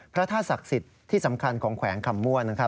พระธาตุศักดิ์สิทธิ์ที่สำคัญของแขวงคำมั่วนะครับ